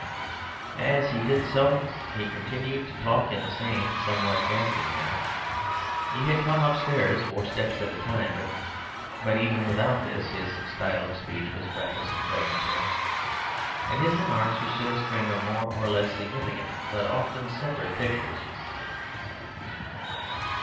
As he did so he continued to talk in the same somewhat gasping manner (he had come upstairs four steps at a time, but even without this his style of speech was breathless and fragmentary), and his remarks were still a string of more or less significant but often separate pictures.